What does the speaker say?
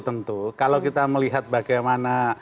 tentu kalau kita melihat bagaimana